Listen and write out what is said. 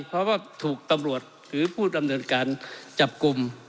เพราะว่าถูกตำรวจหรือผู้ดำเนินการจับกลุ่ม